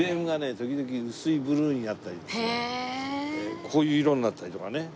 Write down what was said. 時々薄いブルーになったりとかねこういう色になったりとかね。